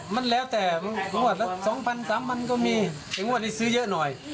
มันแล้วแต่งวดละ๒๐๐๓๐๐ก็มีแต่งวดนี้ซื้อเยอะหน่อย